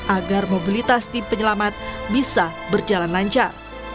agar mobilitas tim penyelamat bisa berjalan lancar